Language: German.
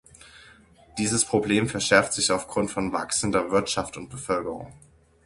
Dieses Problem verschärft sich aufgrund von wachsender Wirtschaft und Bevölkerung.